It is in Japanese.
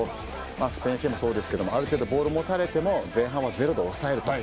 スペイン戦もそうですけどある程度ボールを持たれても前半はゼロで抑えると。